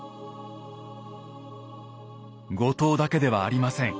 後藤だけではありません。